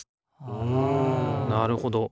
うんなるほど。